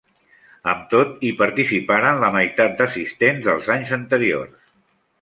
Amb tot, hi participaren la meitat d'assistents dels anys anteriors.